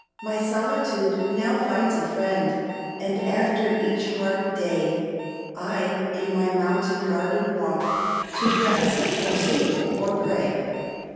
My solitude now finds a friend, And after each hard day, I in my mountain garden walk, To rest, or sing, or pray.